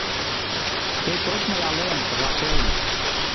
Шке шочмо ялем — пыжашем.